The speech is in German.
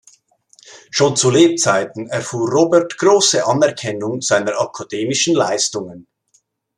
Schon zu Lebzeiten erfuhr Robert große Anerkennung seiner akademischen Leistungen.